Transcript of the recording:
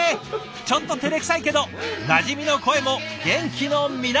ちょっとてれくさいけどなじみの声も元気の源！